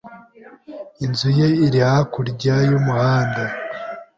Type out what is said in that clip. Inzu ye iri hakurya y'umuhanda.